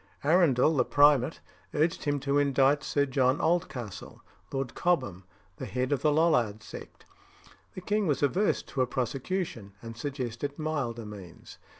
Arundel, the primate, urged him to indict Sir John Oldcastle, Lord Cobham, the head of the Lollard sect. The king was averse to a prosecution, and suggested milder means.